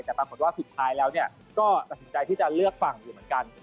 แต่ปรากฏว่าสุดท้ายแล้วก็ตัดสินใจที่จะเลือกฝั่งอยู่เหมือนกัน